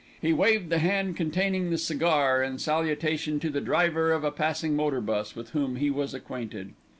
He waved the hand containing the cigar in salutation to the driver of a passing motor bus with whom he was acquainted.